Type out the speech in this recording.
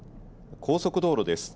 高速道路です。